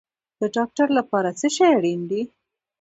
د ډاکټر لپاره څه شی اړین دی؟